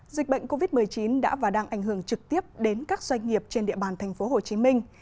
dịch bệnh covid một mươi chín đã và đang ảnh hưởng trực tiếp đến các doanh nghiệp trên địa bàn thành phố hồ chí minh